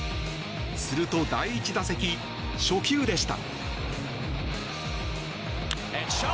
すると、第１打席初球でした。